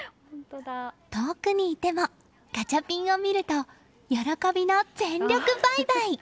遠くにいてもガチャピンを見ると喜びの全力バイバイ。